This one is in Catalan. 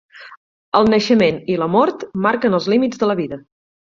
El naixement i la mort marquen els límits de la vida.